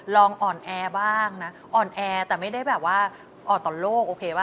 ลองอ่อนแอบ้างนะอ่อนแอแต่ไม่ได้แบบว่าอ่อนต่อโลกโอเคป่